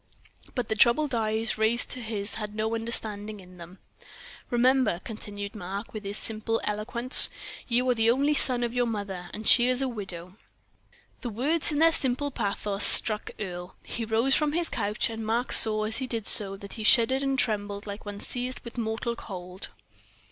But the troubled eyes raised to his had no understanding in them. "Remember," continued Mark, with his simple eloquence, "you are the only son of your mother, and she is a widow." The words, in their simple pathos, struck Earle. He rose from his couch, and Mark saw, as he did so, that he shuddered and trembled like one seized with mortal cold.